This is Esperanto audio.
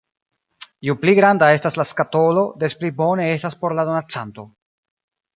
Ju pli granda estas la skatolo, des pli bone estas por la donacanto.